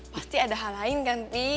pasti ada hal lain kan pi